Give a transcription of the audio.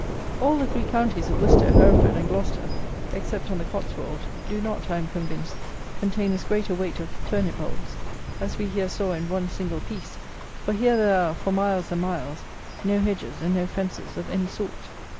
All the three counties of Worcester, Hereford and Gloucester (except on the Cotswold) do not, I am convinced, contain as great a weight of turnip bulbs, as we here saw in one single piece; for here there are, for miles and miles, no hedges, and no fences of any sort.